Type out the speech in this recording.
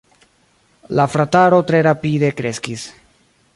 La frataro tre rapide kreskis.